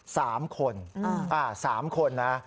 สามคนสามคนนะ